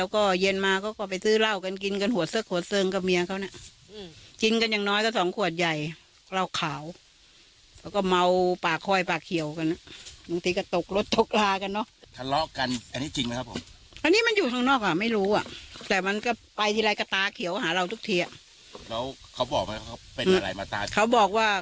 เขาบอกว่าเขารมทับ